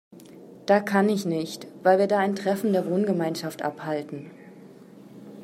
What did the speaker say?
Da kann ich nicht, weil wir da ein Treffen der Wohngemeinschaft abhalten.